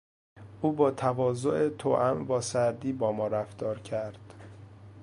او با تواضع توام با سردی با ما رفتار کرد.